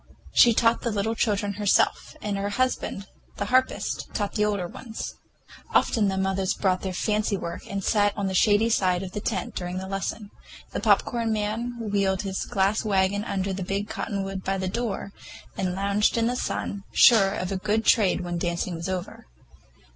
She taught the little children herself, and her husband, the harpist, taught the older ones. Often the mothers brought their fancy work and sat on the shady side of the tent during the lesson. The popcorn man wheeled his glass wagon under the big cottonwood by the door, and lounged in the sun, sure of a good trade when the dancing was over.